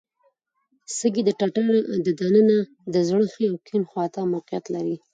سږي د ټټر د ننه د زړه ښي او کیڼ خواته موقعیت لري.